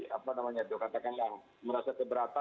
bahwa ada masyarakat yang merasa di jogja merasa keberatan